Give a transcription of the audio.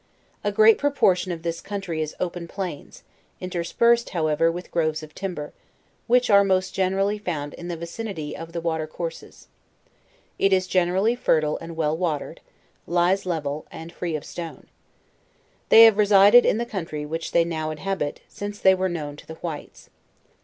A great proportion of this country is open plains, interspersed, however, with groves of timber, which are most generally found in the vicinity oi the water courses. It is generally fertile and well watered; lies level, and free of stone. They have resided in the country which they now inhabit, since they were known to the whites.